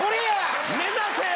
目指せよ！